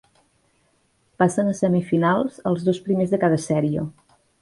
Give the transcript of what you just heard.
Passen a semifinals els dos primers de cada sèrie.